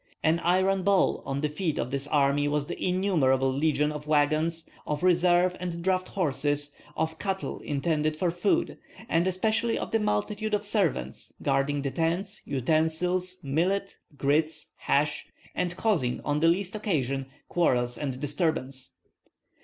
An iron ball on the feet of this army was the innumerable legion of wagons, of reserve and draft horses, of cattle intended for food, and especially of the multitude of servants guarding the tents, utensils, millet, grits, hash, and causing on the least occasion quarrels and disturbance.